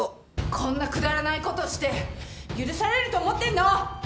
こんなくだらないことして許されると思ってんの？